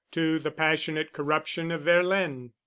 to the passionate corruption of Verlaine.